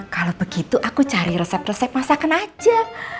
kalau begitu aku cari resep resep masakan aja